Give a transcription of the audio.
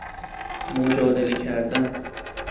مجادله کردن